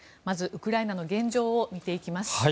まず、ウクライナの現状を見ていきます。